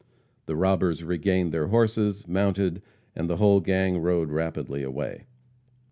The robbers regained their horses, mounted, and the whole gang rode rapidly away.